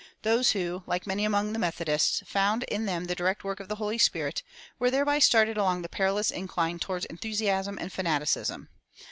Those who, like many among the Methodists,[241:1] found in them the direct work of the Holy Spirit, were thereby started along the perilous incline toward enthusiasm and fanaticism.